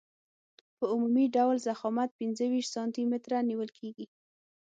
په عمومي ډول ضخامت پنځه ویشت سانتي متره نیول کیږي